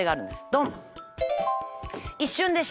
ドン。